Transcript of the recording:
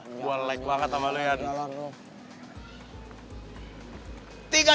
gue like banget sama lo ya